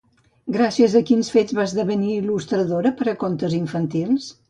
Gràcies a quins fets va esdevenir il·lustradora per a contes infantils?